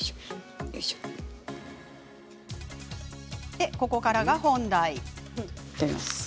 で、ここからが本題。